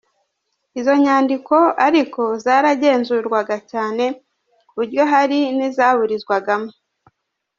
Izo nyandiko ariko zaragenzurwaga cyane, ku buryo hari n’izaburizwagamo.